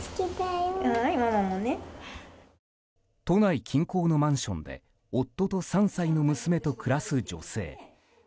都内近郊のマンションで夫と３歳の娘と暮らす女性。